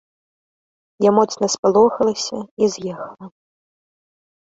Я моцна спалохалася і з'ехала.